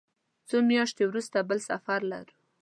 څو میاشتې وروسته بل سفر لرو.